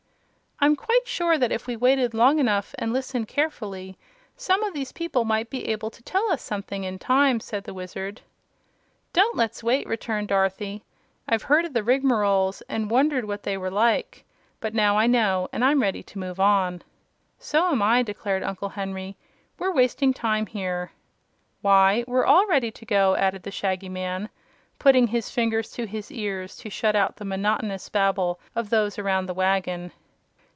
"I'm quite sure that if we waited long enough and listened carefully, some of these people might be able to tell us something, in time," said the Wizard. "Let's don't wait," returned Dorothy. "I've heard of the Rigmaroles, and wondered what they were like; but now I know, and I'm ready to move on." "So am I," declared Uncle Henry; "we're wasting time here." "Why, we're all ready to go," said the Shaggy Man, putting his fingers to his ears to shut out the monotonous babble of those around the wagon.